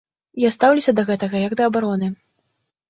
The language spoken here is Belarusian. Я стаўлюся да гэтага як да абароны.